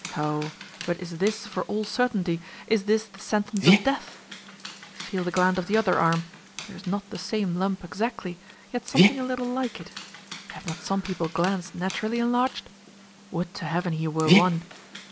Oh! but is this for all certainty, is this the sentence of death? Feel the gland of the other arm; there is not the same lump exactly, yet something a little like it: have not some people glands naturally enlarged?—would to Heaven he were one!